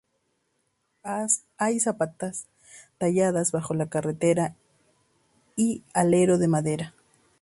Hay zapatas talladas bajo la carrera y el alero de madera.